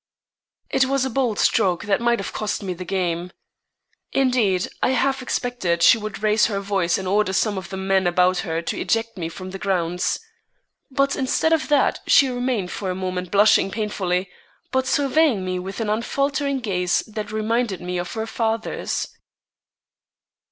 It was a bold stroke that might have cost me the game. Indeed, I half expected she would raise her voice and order some of the men about her to eject me from the grounds. But instead of that she remained for a moment blushing painfully, but surveying me with an unfaltering gaze that reminded me of her father's.